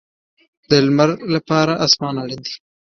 د لمر لپاره اسمان اړین دی